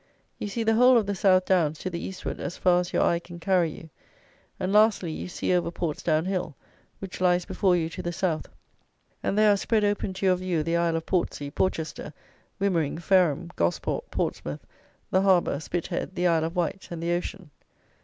You see the whole of the South Downs to the eastward as far as your eye can carry you; and, lastly, you see over Portsdown Hill, which lies before you to the south; and there are spread open to your view the isle of Portsea, Porchester, Wimmering, Fareham, Gosport, Portsmouth, the harbour, Spithead, the Isle of Wight and the ocean.